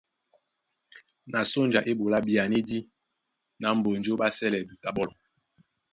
Na sónja é ɓolá byanédí ná Mbonjó ɓá sɛ́lɛ duta ɓɔ́lɔ.